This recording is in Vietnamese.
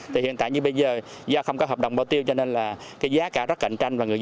thì hiện tại như bây giờ do không có hợp đồng bảo tiêu cho nên là cái giá cả rất cạnh tranh